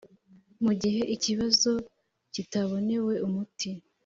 mu gihe ikibazo kitabonewe umuti